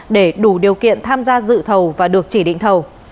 để đủ điều kiện tham gia dự thầu và được chỉ định thầu